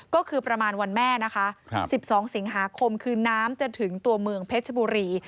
ก็คือประมาณวันแม่นะคะ๑๒สิงหาคมคือน้ำจะถึงตัวเมืองเพชรบุรี